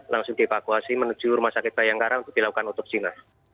langsung dievakuasi menuju rumah sakit bayangkara untuk dilakukan otopsi mas